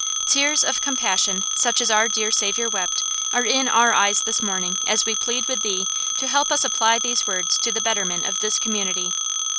Tears of compassion such as our dear Saviour wept are in our eyes this morning as we plead with Thee to help us to apply these words to the betterment of this community."